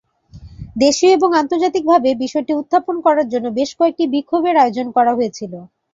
দেশীয় এবং আন্তর্জাতিকভাবে বিষয়টি উত্থাপন করার জন্য বেশ কয়েকটি বিক্ষোভের আয়োজন করা হয়েছিল।